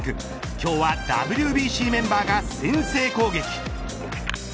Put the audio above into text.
今日はＷＢＣメンバーが先制攻撃。